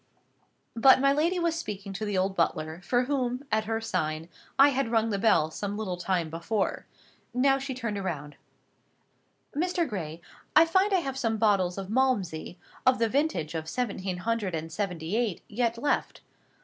But my lady was speaking to the old butler, for whom, at her sign, I had rung the bell some little time before. Now she turned round. "Mr. Gray, I find I have some bottles of Malmsey, of the vintage of seventeen hundred and seventy eight, yet left.